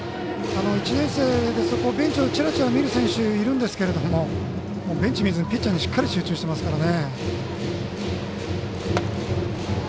１年生でベンチをちらちら見る選手いるんですけどベンチ見ずにピッチャーにしっかり集中していますね。